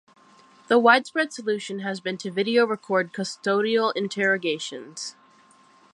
The widespread solution has been to video record custodial interrogations.